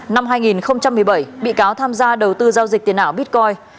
năm hai nghìn một mươi bảy bị cáo tham gia đầu tư giao dịch tiền ảo bitcoin